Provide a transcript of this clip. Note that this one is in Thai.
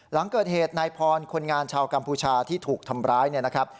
หลังเกิดเหตุนายพรคนงานชาวกัมพูชาที่ถูกทำร้ายเนี่ยนะครับ